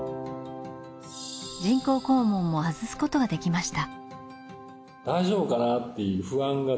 人工肛門も外すことができました。